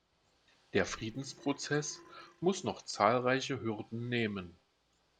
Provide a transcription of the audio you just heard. Der Friedensprozess muss noch zahlreiche Hürden nehmen.